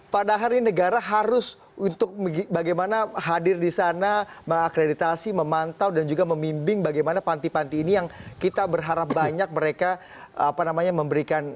padahal ini negara harus untuk bagaimana hadir di sana mengakreditasi memantau dan juga memimbing bagaimana panti panti ini yang kita berharap banyak mereka memberikan